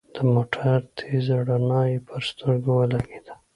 د موټر تېزه رڼا يې پر سترګو ولګېده.